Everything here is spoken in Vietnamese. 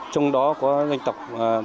trong đó có dân tộc